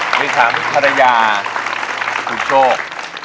คุณสามภรรยาคุณโชค